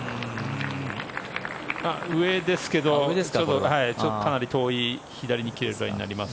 上ですけどちょっとかなり遠い左に切れた感じになります。